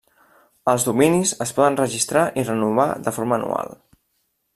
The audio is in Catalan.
Els dominis es poden registrar i renovar de forma anual.